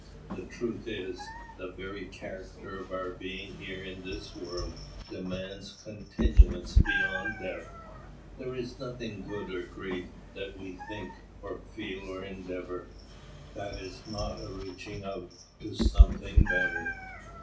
The truth is, the very character of our being here in this world demands continuance beyond death. There is nothing good or great that we think or feel or endeavour, that is not a reaching out to something better.